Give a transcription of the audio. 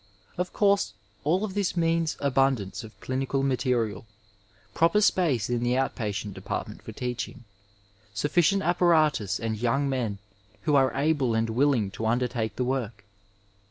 Of course all of this means abundance of clinical material, proper space in the out patient department for teaching, sufficient apparatus and young men who are able and willing to undertake the work.